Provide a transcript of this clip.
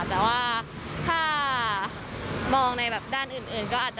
แต่ว่าถ้ามุมมองในทางการรักษาก็ดีค่ะ